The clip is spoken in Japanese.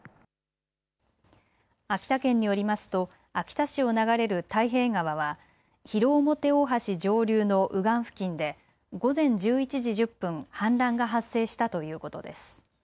秋田県によりますと秋田市を流れる太平川は広面大橋上流の右岸付近で午前１１時１０分、氾濫が発生したということです。